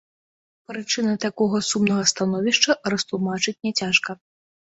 Прычыны такога сумнага становішча растлумачыць няцяжка.